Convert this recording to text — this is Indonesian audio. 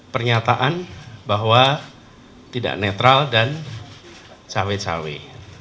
pernyataan bahwa tidak netral dan cawe cawe